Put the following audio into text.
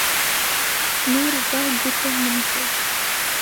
نورو ته ګوته مه نیسئ.